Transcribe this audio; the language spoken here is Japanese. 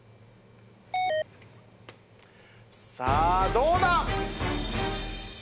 さあどうだ？